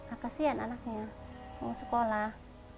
ah kasihan anaknya mau sekolah